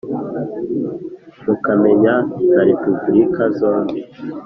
mukamenya na repubulika zombi